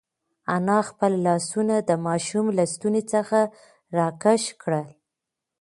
انا خپل لاسونه د ماشوم له ستوني څخه راکش کړل.